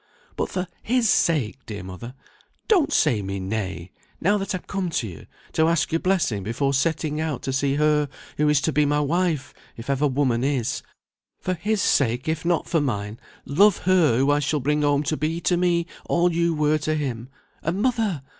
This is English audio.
But for his sake, dear mother, don't say me nay, now that I come to you to ask your blessing before setting out to see her, who is to be my wife, if ever woman is; for his sake, if not for mine, love her who I shall bring home to be to me all you were to him: and mother!